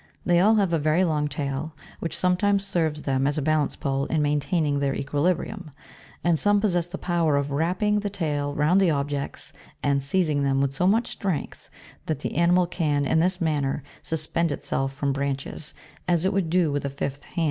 They all have a very long tail, which sometimes serves them as a balance pole in maintaining their equilibrium, and some possess the power of wrapping the tail round objects and seizing them with so much strength that the animal can, in this manner, suspend itself from branches, as it would do with a fifth hand.